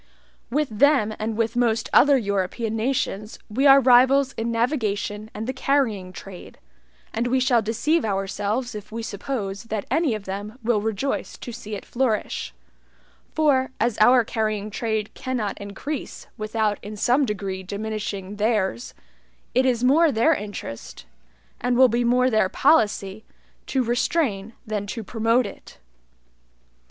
With them and with most other European nations we are rivals in navigation and the carrying trade; and we shall deceive ourselves if we suppose that any of them will rejoice to see it flourish; for, as our carrying trade cannot increase without in some degree diminishing theirs, it is more their interest, and will be more their policy, to restrain than to promote it.